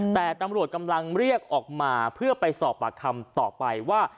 แต่ตำรวจกำลังเรียกออกมาเพื่อไปสอบปากคำต่อไปว่า